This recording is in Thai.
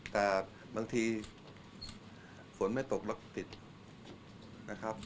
แต่บางทีฝนไม่ตกแล้วติดนะครับ